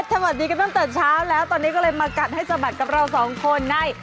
สวัสดีกันตั้งแต่เช้าแล้วตอนนี้ก็เลยมากัดให้สะบัดกับเราสองคนใน